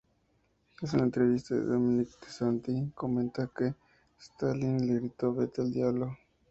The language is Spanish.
En una entrevista con Dominique Desanti, comenta que Stalin le gritó "Vete al diablo!".